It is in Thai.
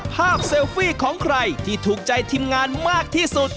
เซลฟี่ของใครที่ถูกใจทีมงานมากที่สุด